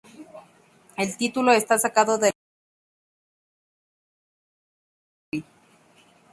El título está sacado del álbum de la banda "End of the Century".